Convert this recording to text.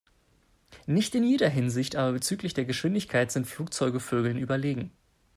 Nicht in jeder Hinsicht, aber bezüglich der Geschwindigkeit sind Flugzeuge Vögeln überlegen.